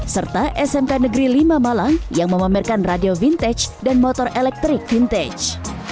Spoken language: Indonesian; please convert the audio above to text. serta smk negeri lima malang yang memamerkan radio vintage dan motor elektrik vintage